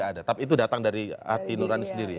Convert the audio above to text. ada tapi itu datang dari hati nurani sendiri ya